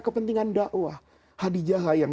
kepentingan dakwah khadijah lah yang